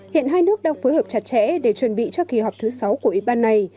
hiện hai nước đang phối hợp chặt chẽ để chuẩn bị cho kỳ họp thứ sáu của ủy ban này